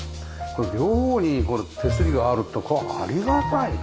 両方にこの手すりがあるってこれありがたいね。